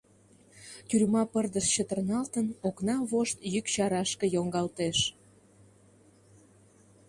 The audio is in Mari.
Тюрьма пырдыж чытырналтын, окна вошт йӱк чарашке йоҥгалтеш.